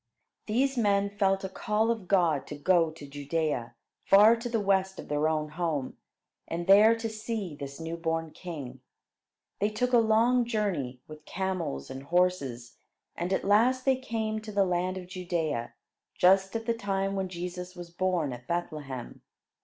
These men felt a call of God to go to Judea, far to the west of their own home, and there to see this new born king. They took a long journey, with camels and horses, and at last they came to, the land of Judea, just at the time when Jesus was born at Bethlehem.